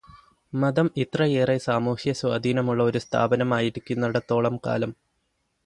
മതം ഇത്രയേറെ സാമൂഹ്യസ്വാധീനമുള്ള ഒരു സ്ഥാപനമായിരിക്കുന്നിടത്തോളം കാലം